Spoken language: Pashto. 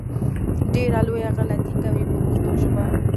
ډېره لویه غلطي کوي په پښتو ژبه.